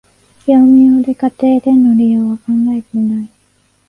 業務用で、家庭での利用は考えてない